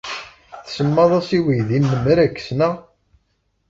Tsemmaḍ-as i weydi-nnem Rex, naɣ?